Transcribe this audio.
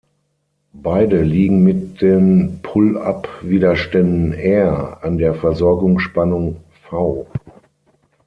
Beide liegen mit den Pull-up-Widerständen "R" an der Versorgungsspannung "V".